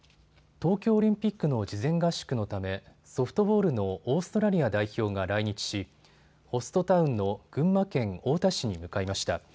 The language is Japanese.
東京オリンピックの事前合宿のためソフトボールのオーストラリア代表が来日しホストタウンの群馬県太田市に向かいました。